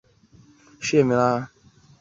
吴春晴生于宣统元年。